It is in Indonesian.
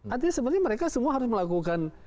artinya sebenarnya mereka semua harus melakukan